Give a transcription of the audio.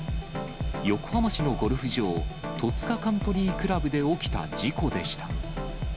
横浜市のゴルフ場、戸塚カントリー倶楽部で起きた事故でした。